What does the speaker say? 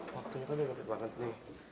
waktunya tadi gede banget nih